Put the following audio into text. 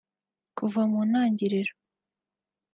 Kuva mu ntangiriro